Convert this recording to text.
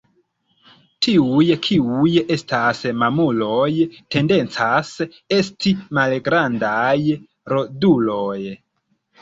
Tiuj kiuj estas mamuloj tendencas esti malgrandaj roduloj.